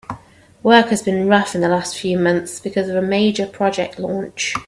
Work has been rough in the last few months because of a major project launch.